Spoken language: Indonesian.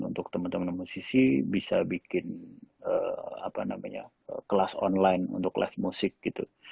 untuk teman teman musisi bisa bikin kelas online untuk kelas musik gitu